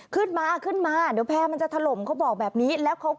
ขึ้นมาเดี๋ยวแพ้มันจะถล่มเขาบอกแบบนี้